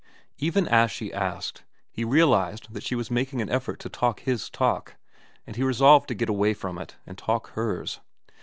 Even as she asked, he realized that she was making an effort to talk his talk, and he resolved to get away from it and talk hers.